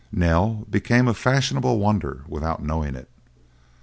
Nell became a fashionable wonder without knowing it.